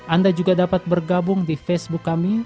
anda juga dapat bergabung di facebook kami